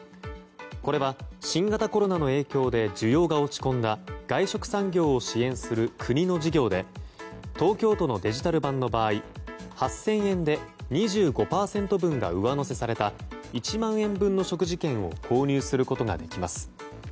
これは、新型コロナの影響で需要が落ち込んだ外食産業を支援する国の事業で東京都のデジタル版の場合８０００円で２５％分が上乗せされた１万円分の食事券を購入することができます。